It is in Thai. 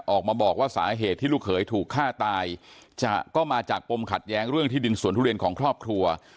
ออกมาบอกว่าสาเหตุที่ลูกเขยถูกฆ่าตายจะก็มาจากปมขัดแย้งเรื่องที่ดินสวนทุเรียนของครอบครัว